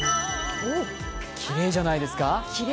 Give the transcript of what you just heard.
きれいじゃないですか。